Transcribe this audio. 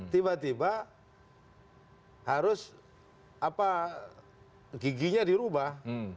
tiba tiba harus giginya dirubah